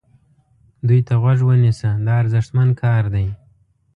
دوی ته غوږ ونیسه دا ارزښتمن کار دی.